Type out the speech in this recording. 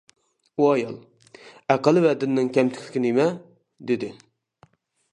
ئۇ ئايال: «ئەقىل ۋە دىننىڭ كەمتۈكلۈكى نېمە؟ » دېدى.